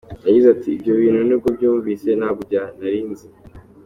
Avuga ku mwihariko w'iyi Album, Patrick Munini yagize ati:.